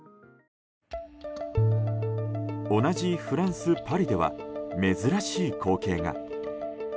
同じフランス・パリでは珍しい光景が。